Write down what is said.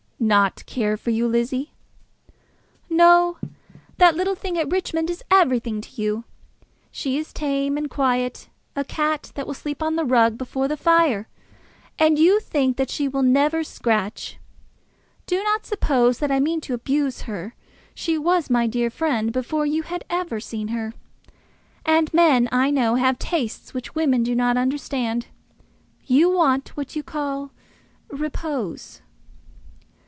"Not care for you, Lizzie?" "No; that little thing at Richmond is everything to you. She is tame and quiet, a cat that will sleep on the rug before the fire, and you think that she will never scratch. Do not suppose that I mean to abuse her. She was my dear friend before you had ever seen her. And men, I know, have tastes which we women do not understand. You want what you call repose."